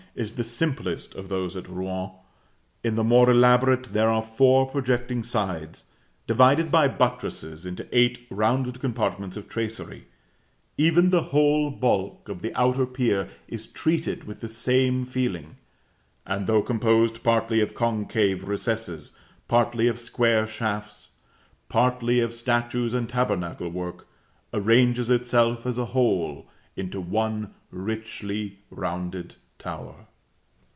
is the simplest of those of Rouen; in the more elaborate there are four projecting sides, divided by buttresses into eight rounded compartments of tracery; even the whole bulk of the outer pier is treated with the same feeling; and though composed partly of concave recesses, partly of square shafts, partly of statues and tabernacle work, arranges itself as a whole into one richly rounded tower.